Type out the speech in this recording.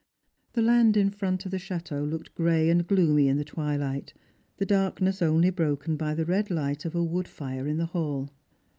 The land in front of the chateau looked gray and gloomy in the twilight, the darkness only broken by the red light of a wood fire in the hall.